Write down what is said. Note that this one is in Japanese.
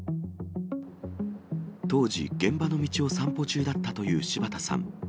当時、現場の道を散歩中だったという柴田さん。